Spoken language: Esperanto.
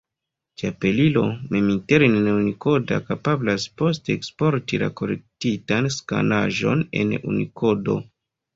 Ĉapelilo, mem interne ne-unikoda, kapablas poste eksporti la korektitan skanaĵon en Unikodo.